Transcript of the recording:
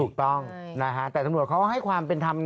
ถูกต้องนะฮะแต่ตำรวจเขาให้ความเป็นธรรม